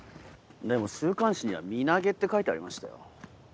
でも週刊誌には身投げって書いてありましたよ。